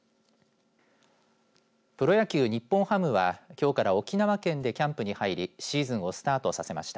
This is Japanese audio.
プロ野球日本ハムは今日から沖縄県にキャンプに入りシーズンをスタートさせました。